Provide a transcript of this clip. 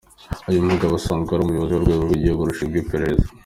Uyu mugabo asanzwe ari umuyobozi w’urwego rw’igihugu rushinzwe iperereza.